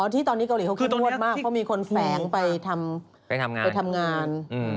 ที่ตอนนี้เกาหลีเขาเข้มงวดมากเพราะมีคนแฝงไปทำงาน